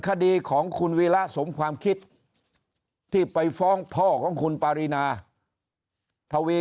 คดีของคุณวีระสมความคิดที่ไปฟ้องพ่อของคุณปารีนาทวี